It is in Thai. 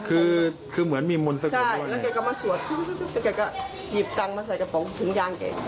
คือคือเหมือนมีมนต์สกุลบ่อยแล้วแกก็มาสวดแล้วแกก็หยิบตังค์มาใส่กระป๋องถุงยางแก